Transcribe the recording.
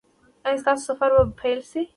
ایا ستاسو سفر به پیلیږي؟